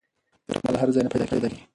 درمل هر ځای نه پیدا کېږي.